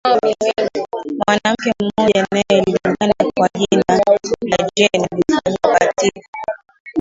Mwanamke mmoja anaejulukana kwa jina la Jane alifanyiwa ukatitili huu